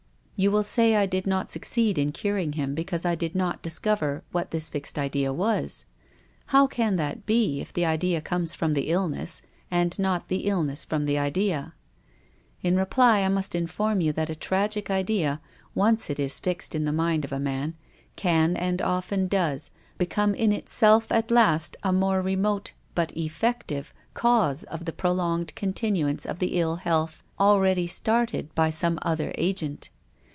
You will say I did not suc ceed in curing him because I did not discover what this fixed idea was. How can that be, if the idea comes from the illness and not the ill ness from the idea. In reply I must inform you THE GRAVE. 75 that a tragic idea, once it is fixed in the mind of a man, can, and often does, become in itself at last a more remote, but effective, cause of the prolonged continuance of the ill health already started by some other agent.